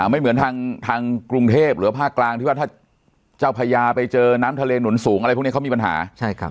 ไม่เหมือนทางกรุงเทพหรือภาคกลางที่ว่าถ้าเจ้าพญาไปเจอน้ำทะเลหนุนสูงอะไรพวกนี้เขามีปัญหา